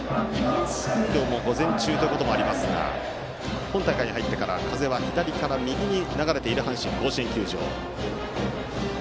今日も午前中ということもありますが今大会に入ってから風は左から右に流れている阪神甲子園球場。